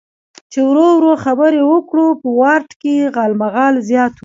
چې ورو ورو خبرې وکړو، په وارډ کې یې غالمغال زیات و.